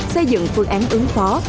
xây dựng phương án ứng phó